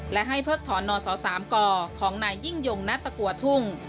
และให้เพิกถอนนส๓กของนายยิ่งยงณตะกัวทุ่ง